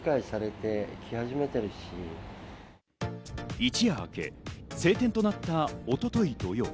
一夜明け、晴天となった一昨日土曜。